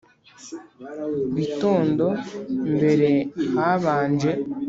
bitondo, mbere habanje